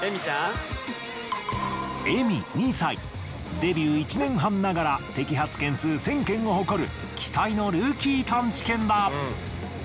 デビュー１年半ながら摘発件数１，０００件を誇る期待のルーキー探知犬だ。